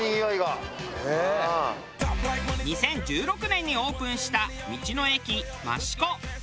２０１６年にオープンした道の駅ましこ。